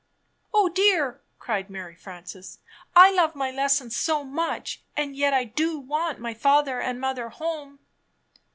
"Oh, dear," cried Mary Frances, "I love my lessons 60 much, and yet I do want my father and mother home."